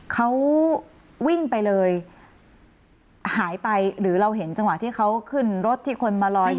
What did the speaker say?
เขาวิ่งไปเลยหายไปหรือเราเห็นจังหวะที่เขาขึ้นรถที่คนมารออยู่